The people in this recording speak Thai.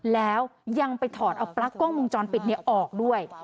แล้วยังไปถอดเอาปลั๊กกล้องวงจรปิดออกด้วย